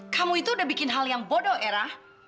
kamu itu udah bikin hal yang bodoh era